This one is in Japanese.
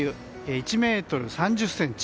１ｍ３０ｃｍ。